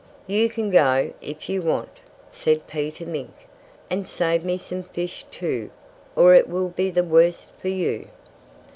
"You can go if you want to," said Peter Mink. "And save me some fish, too, or it will be the worse for you!"